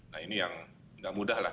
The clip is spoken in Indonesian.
nah ini yang gak mudah lah ya